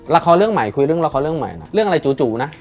ละครเรื่องใหม่คุยเรื่องละครเรื่องใหม่นะเรื่องอะไรจู่นะ